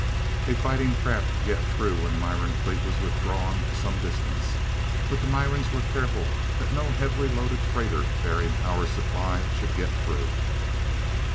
A fighting craft could get through when the Miran fleet was withdrawn to some distance, but the Mirans were careful that no heavy loaded freighter bearing power supply should get through.